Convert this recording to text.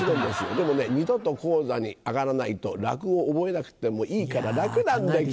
でもね二度と高座に上がらないと落語を覚えなくてもいいから楽なんだ君。